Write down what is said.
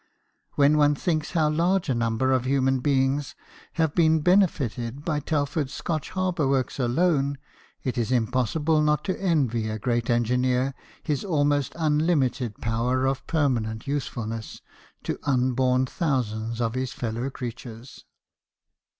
When one thinks how large a number of human beings have been benefited by Telford's Scotch har bour works alone, it is impossible not to envy a great engineer his almost unlimited power 26 BIOGRAPHIES OF WORKING MEN. of permanent usefulness to unborn thousands of his fellow creatures.